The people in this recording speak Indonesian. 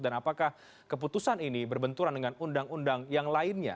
dan apakah keputusan ini berbenturan dengan undang undang yang lainnya